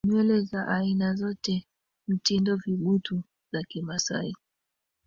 nywele za aina zote mtindo vibutu za kimasai